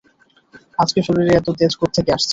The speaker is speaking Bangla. আজকে শরীরে এত তেজ কোত্থেকে আসছে?